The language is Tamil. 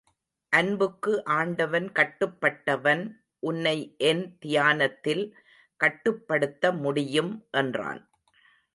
அன்புக்கு ஆண்டவன் கட்டுப்பட்ட வன் உன்னை என் தியானத்தில் கட்டுப்படுத்த முடியும் என்றான்.